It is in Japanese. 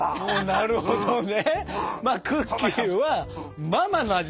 なるほどね。